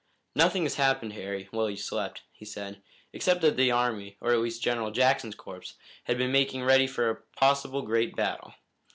"Nothing has happened, Harry, while you slept," he said, "except that the army, or at least General Jackson's corps, has been making ready for a possible great battle.